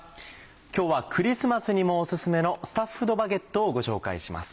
今日はクリスマスにもお薦めの「スタッフドバゲット」をご紹介します。